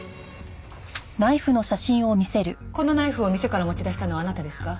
このナイフを店から持ち出したのはあなたですか？